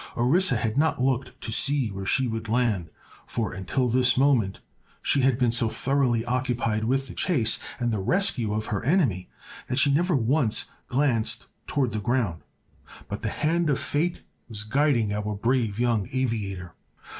Orissa had not looked to see where she would land, for until this moment she had been so thoroughly occupied with the chase and the rescue of her enemy that she never once glanced toward the ground. But the hand of fate was guiding our brave young aviator.